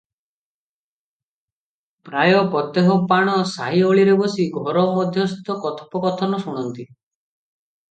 ପ୍ରାୟ ପ୍ରତ୍ୟହ ପାଣ ସାହି ଓଳିରେ ବସି ଘର ମଧ୍ୟସ୍ଥ କଥୋପକଥନ ଶୁଣନ୍ତି ।